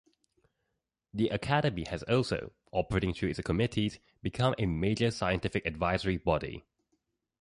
The Academy has also, operating through its committees, become a major scientific advisory body.